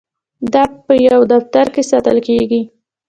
دا په یو دفتر کې ساتل کیږي.